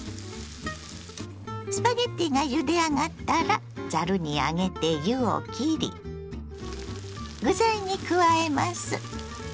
スパゲッティがゆであがったらざるに上げて湯をきり具材に加えます。